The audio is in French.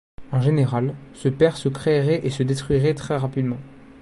En général, ces paires se créeraient et se détruiraient très rapidement.